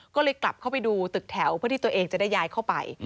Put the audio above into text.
ก็เลยกลับเข้าไปดูตึกแถวเพื่อที่ตัวเองจะได้ย้ายเข้าไป